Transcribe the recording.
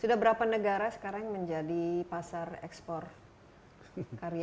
sudah berapa negara sekarang menjadi pasar ekspor karya sendiri pak brian